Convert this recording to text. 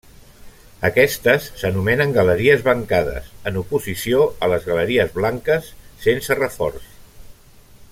Aquestes s'anomenen galeries bancades, en oposició a les galeries blanques, sense reforç.